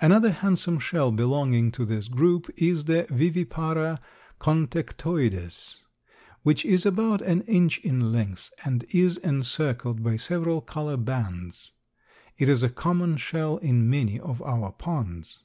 Another handsome shell belonging to this group is the Vivipara contectoides, which is about an inch in length and is encircled by several color bands. It is a common shell in many of our ponds.